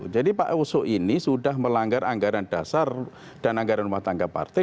jadi pak oso ini sudah melanggar anggaran dasar dan anggaran rumah tangga partai